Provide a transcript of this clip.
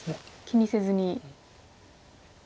気にせずに。